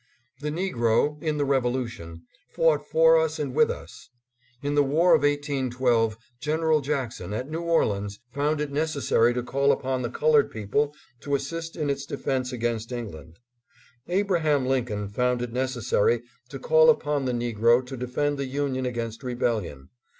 The negro, in the Revolution, fought for us and with us. In the war of 1812 General Jackson, at New Orleans, found it necessary to call upon the colored people to assist in its defense against England. Abra ham Lincoln found it necessary to call upon the negro to defend the Union against rebellion.